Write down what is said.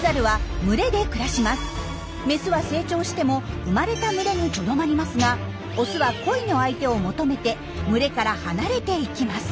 メスは成長しても生まれた群れにとどまりますがオスは恋の相手を求めて群れから離れていきます。